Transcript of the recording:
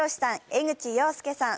江口洋介さん